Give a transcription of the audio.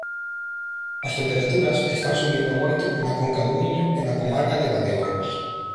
As temperaturas están subindo moito na conca do Miño e na comarca de Valdeorras.